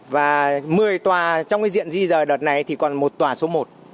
và một mươi tòa trong di dời đợt này còn một tòa số một